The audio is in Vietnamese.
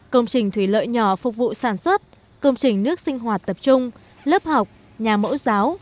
công trình thủy lợi nhỏ phục vụ sản xuất công trình nước sinh hoạt tập trung lớp học nhà mẫu giáo